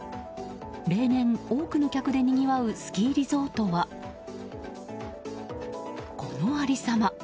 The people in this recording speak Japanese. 例年、多くの客でにぎわうスキーリゾートはこのありさま。